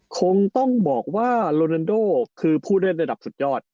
คงต้องบอกว่าโรนันโดคือผู้เล่นระดับสุดยอด